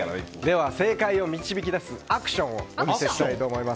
正解を導き出すアクションをお見せしたいと思います。